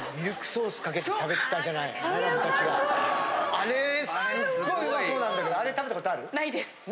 あれすっごいうまそうなんだけどあれ食べたことある？